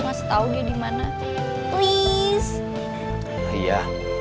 sekarang mau ntarin gue balik ya